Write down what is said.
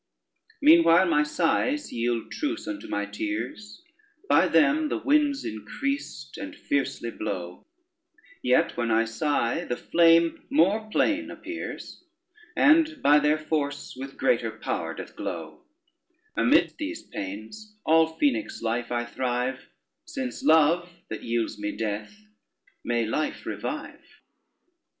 Meanwhile my sighs yield truce unto my tears, By them the winds increased and fiercely blow: Yet when I sigh the flame more plain appears, And by their force with greater power doth glow: Amid these pains, all phoenix like I thrive Since love, that yields me death, may life revive.